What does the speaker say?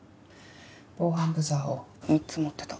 防犯ブザーを３つ持ってた。